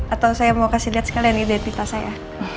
atau saya mau kasih lihat sekalian identitas saya